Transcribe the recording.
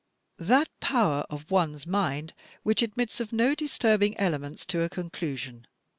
"That power of one's mind which admits of no disturbing elements to a conclusion.